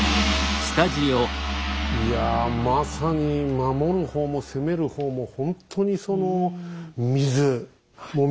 いやまさに守る方も攻める方もほんとにその水。